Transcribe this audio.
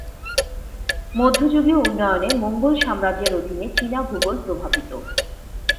মধ্যযুগীয় উন্নয়নে মোঙ্গল সাম্রাজ্যের অধীনে চীনা ভূগোল প্রভাবিত।